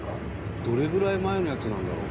どれぐらい前のやつなんだろう？